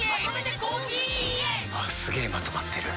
すげえまとまってる。